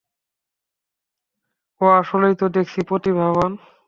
ও আসলেই তো দেখছি প্রতিভাবান।